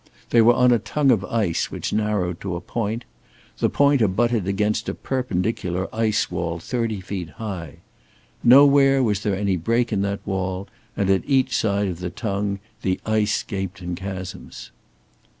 They were on a tongue of ice which narrowed to a point; the point abutted against a perpendicular ice wall thirty feet high. Nowhere was there any break in that wall, and at each side of the tongue the ice gaped in chasms.